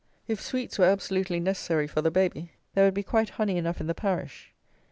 If sweets were absolutely necessary for the baby, there would be quite honey enough in the parish.